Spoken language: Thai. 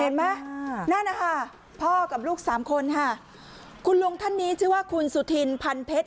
เห็นไหมนั่นนะคะพ่อกับลูกสามคนค่ะคุณลุงท่านนี้ชื่อว่าคุณสุธินพันเพชร